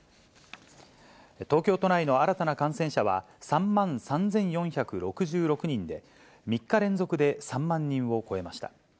東京都内の新たな感染者は３万３４６６人で、３日連続で３万人を超えました。